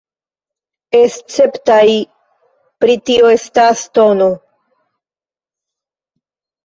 Esceptaj pri tio estas tn.